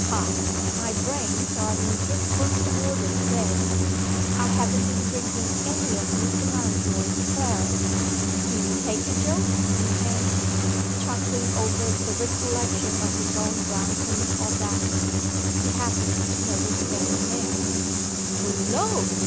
Ha! my brains are in good working order to day; I haven't been drinking any of Mr. Mountjoy's claret do you take the joke, Miss Henley?" Chuckling over the recollection of his own drunken audacity, he happened to notice Fanny Mere. "Hullo!